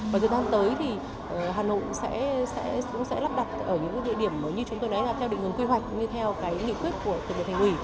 với thời gian tới thì hà nội cũng sẽ lắp đặt ở những địa điểm như chúng tôi nói là theo định hướng quy hoạch